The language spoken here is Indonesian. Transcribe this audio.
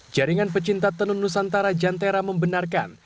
jaringan pecinta tenun nusantara jantera membenarkan